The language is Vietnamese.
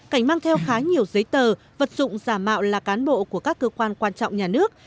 cảnh mang theo khá nhiều giấy tờ vật dụng giả mạo là cán bộ của các cơ quan quan trọng nhà nước